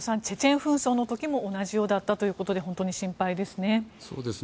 チェチェン紛争の時も同じようだったということで本当に心配ですね。